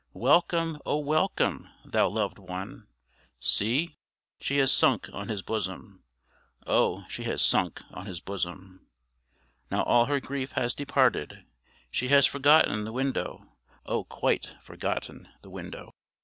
"Welcome, O welcome! thou loved one." See, she has sunk on his bosom; Oh! she has sunk on his bosom. Now all her grief has departed: She has forgotten the window; Oh! quite forgotten the window.